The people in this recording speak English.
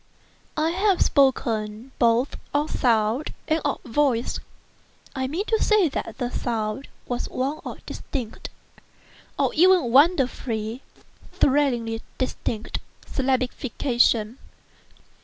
I have spoken both of "sound" and of "voice." I mean to say that the sound was one of distinct—of even wonderfully, thrillingly distinct—syllabification.